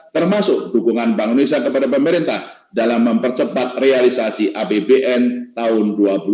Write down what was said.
termasuk dukungan bank indonesia kepada pemerintah dalam mempercepat realisasi apbn tahun dua ribu dua puluh